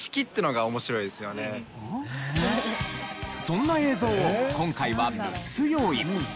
そんな映像を今回は６つ用意。